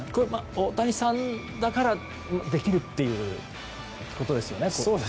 大谷さんだからできるということですね。